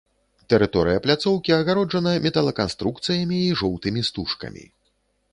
Тэрыторыя пляцоўкі агароджана металаканструкцыямі і жоўтымі стужкамі.